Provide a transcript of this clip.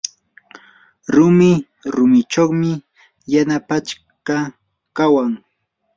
rumi rumichawmi yana pachka kawan.